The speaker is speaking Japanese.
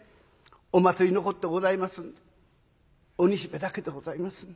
お祭りのこってございますんでお煮しめだけでございます。